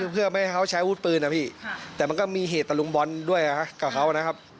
เพื่อไม่ให้เขาใช้วุฒิปืนนะพี่แต่มันก็มีเหตุตะลุมบอลด้วยกับเขานะครับ